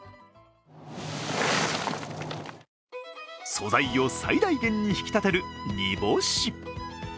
素材を最大限に引き立てる煮干し。